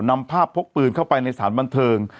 นำภาพพกปืนเข้าไปในสถานบันเทิง